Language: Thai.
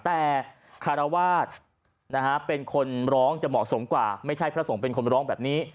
แต่คารวาสเป็นคนร้องจะเหมาะสมกว่าไม่ใช่พระสงฆ์เป็นคนร้องแบบนี้